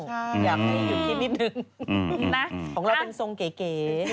ใช่อยากให้มันอยู่ที่นิดนึงนะของเราเป็นทรงเก๋